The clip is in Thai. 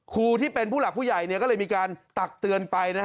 ครูที่เป็นผู้หลักผู้ใหญ่ก็เลยมีการตักเตือนไป